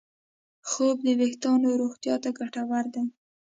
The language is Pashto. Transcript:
خوب د وېښتیانو روغتیا ته ګټور دی.